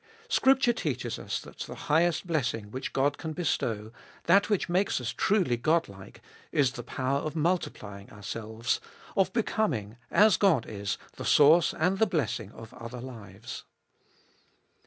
Scripture teaches us that the highest blessing which God can bestow, that which makes us truly Godlike, is the power of multiplying ourselves, of becoming, as God is, the source and the blessing of other lives.